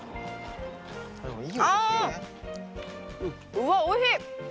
うわおいしい！